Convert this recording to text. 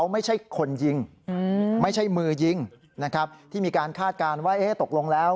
ไม่ใช่คนยิงไม่ใช่มือยิงนะครับที่มีการคาดการณ์ว่าตกลงแล้ว